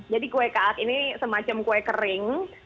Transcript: jadi kue kaak ini semacam kue kering